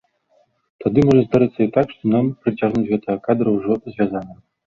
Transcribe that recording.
Тады можа здарыцца і так, што нам прыцягнуць гэтага кадра ўжо звязаным.